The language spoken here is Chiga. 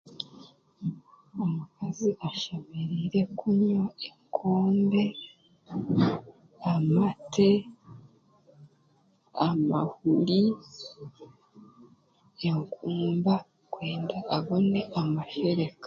Omukazi ashemereire kunywa enkombe, amate, amahuri, enkumba kwenda abone amashereka.